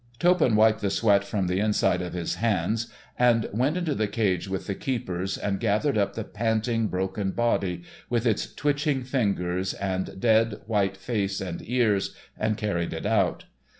Toppan wiped the sweat from the inside of his hands and went into the cage with the keepers and gathered up the panting, broken body, with its twitching fingers and dead, white face and ears, and carried it out.